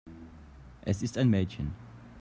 Es ist ein Mädchen.